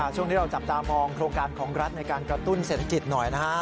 ช่วงนี้เราจับตามองโครงการของรัฐในการกระตุ้นเศรษฐกิจหน่อยนะฮะ